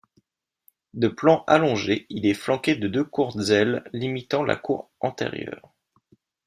De plan allongé, il est flanqué de deux courtes ailes limitant la cour antérieure.